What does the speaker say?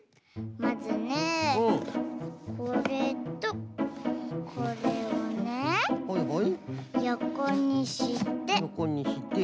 まずねこれとこれをねよこにして。